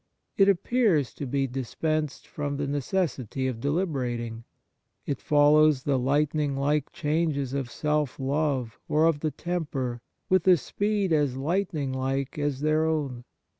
It appears to be dispensed from the necessity of deliberating. It follows the lightning like changes of self love or of the temper with a speed as lightning like as their own.